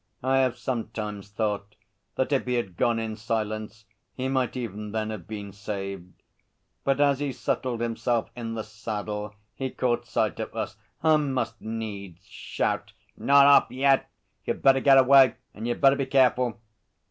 I have sometimes thought that if he had gone in silence he might even then have been saved, but as he settled himself in the saddle he caught sight of us and must needs shout: 'Not off yet? You'd better get away and you'd better be careful.'